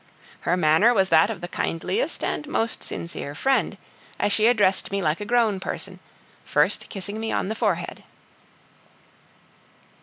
Her manner was that of the kindliest and most sincere friend, as she addressed me like a grown person, first kissing me on the forehead.